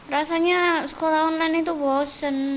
rasanya sekolah online itu bosen